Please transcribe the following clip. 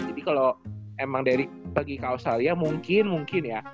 jadi kalau emang derick pergi ke australia mungkin ya